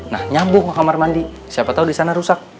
nah nyambung ke kamar mandi siapa tahu di sana rusak